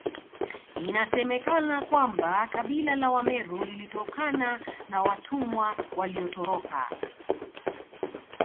Inasemekana kwamba kabila la Wameru lilitokana na watumwa waliotoroka